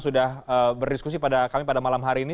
sudah berdiskusi pada kami pada malam hari ini